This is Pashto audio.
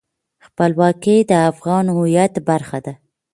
خپلواکي د افغان هویت برخه ده.